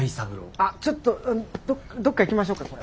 あっちょっとどっか行きましょうか。